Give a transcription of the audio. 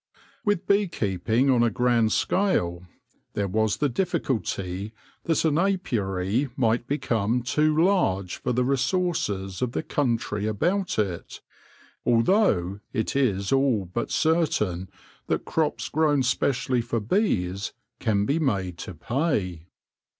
With bee keeping on a grand scale there was the difficulty that an apiary might become too large for the resources of the country about it, although it is all but certain that crops grown specially for bees can be made to pay.